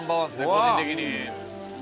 個人的に。